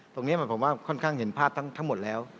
ตรงนี้หมายความว่าค่อนข้างเห็นภาพทั้งหมดแล้ว